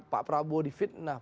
pak prabowo di fitnah